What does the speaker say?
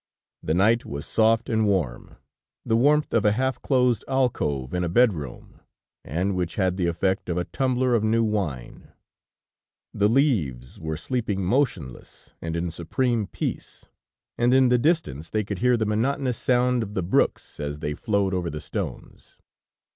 The night was soft and warm, the warmth of a half closed alcove in a bedroom, and which had the effect of a tumbler of new wine. The leaves were sleeping motionless and in supreme peace, and in the distance they could hear the monotonous sound of the brooks as they flowed over the stones.